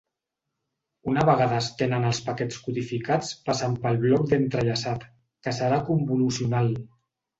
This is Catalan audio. Una vegada es tenen els paquets codificats passen pel bloc d'entrellaçat, que serà convolucional.